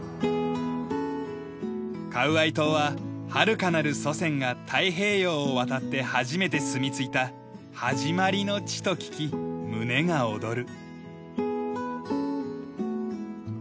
カウアイ島ははるかなる祖先が太平洋を渡って初めて住みついた「始まりの地」と聞き胸が躍る。